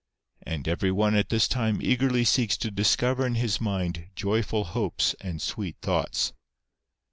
And every one at this time eagerly seeks to discover in his mind joyful hopes and sweet thoughts.